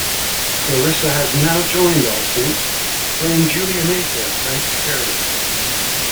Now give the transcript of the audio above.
Clarissa has now joined All Saints, playing Julia Mayfair, Frank's carer.